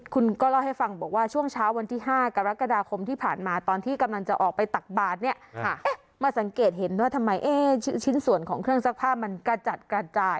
คุณก็เล่าให้ฟังบอกว่าช่วงเช้าวันที่๕กรกฎาคมที่ผ่านมาตอนที่กำลังจะออกไปตักบาทเนี่ยมาสังเกตเห็นว่าทำไมชิ้นส่วนของเครื่องซักผ้ามันกระจัดกระจาย